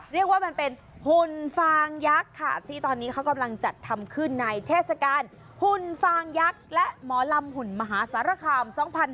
เรียกว่ามันเป็นหุ่นฟางยักษ์ค่ะที่ตอนนี้เขากำลังจัดทำขึ้นในเทศกาลหุ่นฟางยักษ์และหมอลำหุ่นมหาสารคาม๒๕๕๙